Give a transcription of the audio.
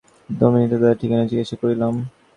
দামিনীকে তাদের ঠিকানা জিজ্ঞাসা করিলাম।